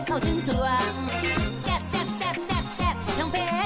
โอ๊ย